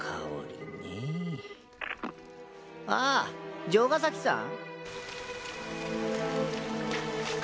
あっ城ヶ崎さん？